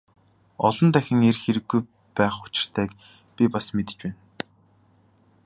Олон дахин ирэх хэрэггүй байх учиртайг би бас мэдэж байна.